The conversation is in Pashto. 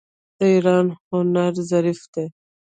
د ایران هنر ظریف دی.